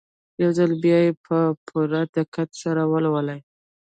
يو ځل بيا يې په پوره دقت سره ولولئ.